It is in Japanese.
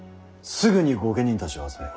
すぐに御家人たちを集めよ。